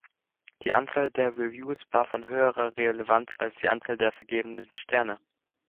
Die Anzahl der Reviews war von höherer Relevanz als die Anzahl der vergebenen Sterne.